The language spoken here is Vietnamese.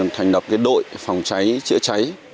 thành lập cái đội phòng cháy chữa cháy